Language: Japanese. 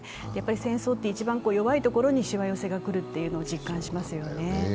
戦争って一番弱いところにしわ寄せが来るっていうのを実感しますよね。